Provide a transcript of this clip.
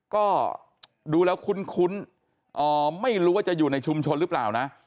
ก็ดูแล้วคุ้นไม่รู้ว่าจะอยู่ในชุมชนหรือเปล่านะ